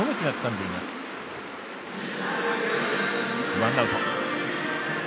ワンアウト。